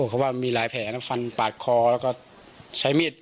เขาว่ามีหลายแผลนะฟันปาดคอแล้วก็ใช้มีด